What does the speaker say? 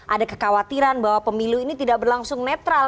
ada kekhawatiran bahwa pemilu ini tidak berlangsung netral